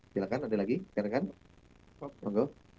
silahkan ada lagi rekan rekan rengga